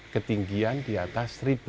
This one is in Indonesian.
ketinggian di atas seribu